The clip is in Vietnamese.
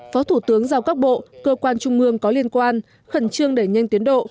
phó thủ tướng giao các bộ cơ quan trung mương có liên quan khẩn trương đẩy nhanh tiến độ